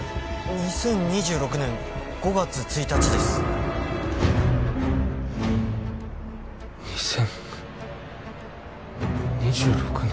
２０２６年５月１日です２０２６年？